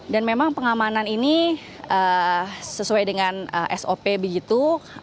dan memang pengamanan ini sesuai dengan sop begitu